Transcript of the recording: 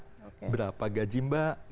berapa gaji mbak berapa gaji pegawai pegawai